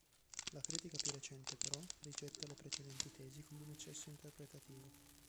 La critica più recente però rigetta le precedenti tesi come un eccesso interpretativo.